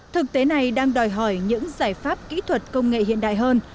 thực tế này đang đòi hỏi những giải pháp kỹ thuật công nghệ hiện đại hơn